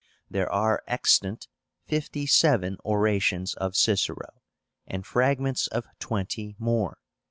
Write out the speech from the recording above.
There are extant fifty seven orations of Cicero, and fragments of twenty more.